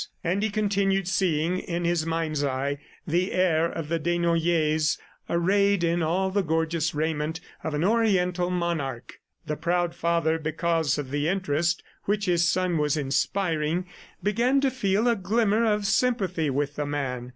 ..." And he continued seeing in his mind's eye the heir of the Desnoyers arrayed in all the gorgeous raiment of an Oriental monarch. The proud father, because of the interest which his son was inspiring, began to feel a glimmer of sympathy with the man.